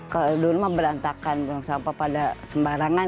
kalau dulu memang berantakan sampah pada sembarangan